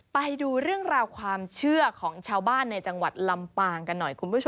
ไปดูเรื่องของของเชื้อชาวบ้านในจังหวัดลำปางกันหน่อย